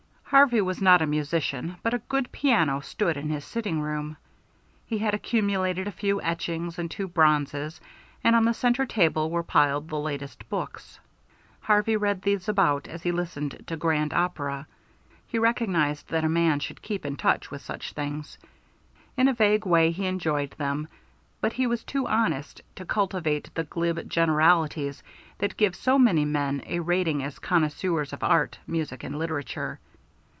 Harvey was not a musician, but a good piano stood in his sitting room. He had accumulated a few etchings and two bronzes; and on the centre table were piled the latest books. Harvey read these about as he listened to Grand Opera he recognized that a man should keep in touch with such things. In a vague way he enjoyed them, but he was too honest to cultivate the glib generalities that give so many men a rating as connoisseurs of art, music, and literature.